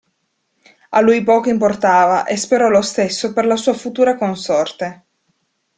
A lui poco importava, e sperò lo stesso per la sua futura consorte.